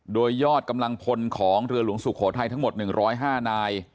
โดยยอดกำลังพลของเรือหลวงสุโขทัยทั้งหมดหนึ่งร้อยห้านาย